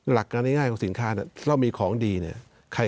หลักการง่ายของสินค้าเนี่ยเรามีของดีเนี่ย